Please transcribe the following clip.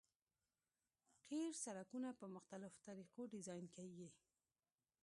قیر سرکونه په مختلفو طریقو ډیزاین کیږي